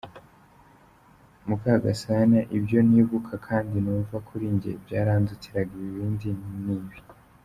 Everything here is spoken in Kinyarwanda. Mukagasana : Ibyo nibuka kandi numva kuri jye byarandutiraga ibindi ni ibi :.